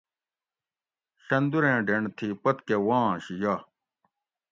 شندوریں ڈینڈ تھی پتکہ وانش یہ